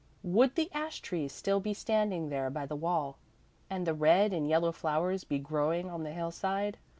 Would the ash trees still be standing there by the wall? and the red and yellow flowers be growing on the hillside?